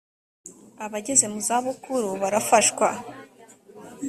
abageze mu zabukuru barafashwa.